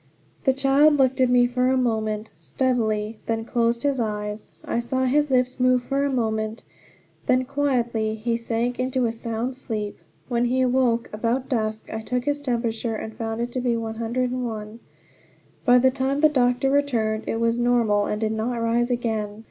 The child looked at me for a moment steadily, then closed his eyes. I saw his lips move for a moment; then quietly he sank into a sound sleep. When he awoke, about dusk, I took his temperature, and found it 101. By the time the doctor returned it was normal, and did not rise again.